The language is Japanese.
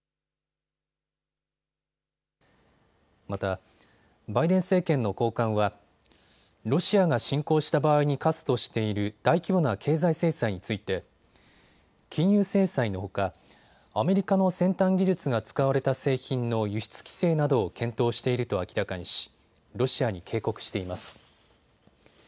またバイデン政権の高官はロシアが侵攻した場合に科すとしている大規模な経済制裁について金融制裁のほかアメリカの先端技術が使われた製品の輸出規制などを検討していると明らかにしロシアに警告しています。